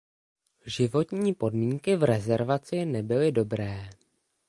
Životní podmínky v rezervaci nebyly dobré.